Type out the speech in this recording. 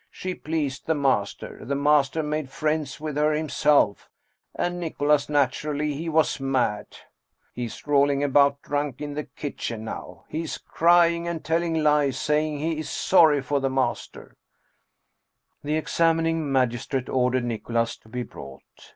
She pleased the master ; the master made friends with her himself, and Nicholas naturally, he was mad ! He is rolling about drunk in the kitchen now. He is crying, and telling lies, saying he is sorry for the master " The examining magistrate ordered Nicholas to be brought.